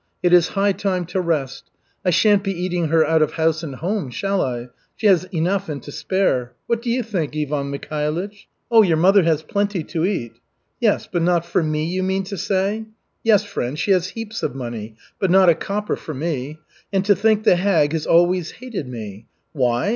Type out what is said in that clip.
It is high time to rest. I shan't be eating her out of house and home, shall I? She has enough and to spare. What d'you think, Ivan Mikhailych?" "Oh, your mother has plenty to eat." "Yes, but not for me, you mean to say? Yes, friend, she has heaps of money, but not a copper for me. And to think the hag has always hated me. Why?